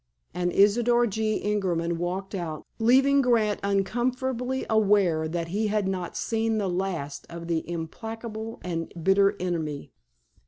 And Isidor G. Ingerman walked out, leaving Grant uncomfortably aware that he had not seen the last of an implacable and bitter enemy.